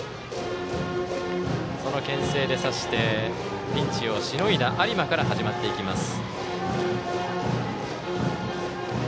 けん制で刺してピンチをしのいだ有馬から始まっていきます。